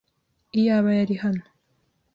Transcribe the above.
Iyaba yari hano.